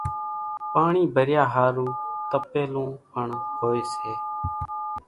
پاڻِي ڀريا ۿارُو تپيلون پڻ هوئيَ سي۔